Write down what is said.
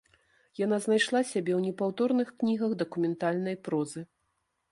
Яна знайшла сябе ў непаўторных кнігах дакументальнай прозы.